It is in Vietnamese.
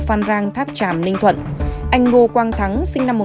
anh ngô quang thắng